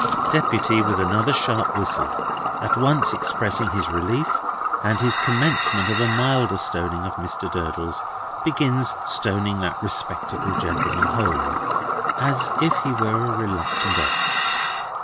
Deputy, with another sharp whistle, at once expressing his relief, and his commencement of a milder stoning of Mr. Durdles, begins stoning that respectable gentleman home, as if he were a reluctant ox.